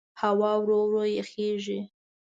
هوا ورو ورو یخېږي.